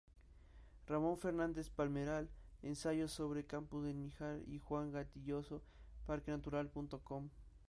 Ramón Fernández Palmeral: "Ensayo sobre "Campos de Níjar" de Juan Goytisolo," Parquenatural.com.